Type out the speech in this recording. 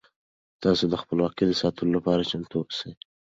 تاسو د خپلواکۍ د ساتلو لپاره چمتو اوسئ.